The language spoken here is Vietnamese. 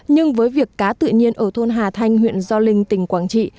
nhưng với việc cá tự nhiên ở thôn hà thanh huyện gio linh tỉnh quảng trị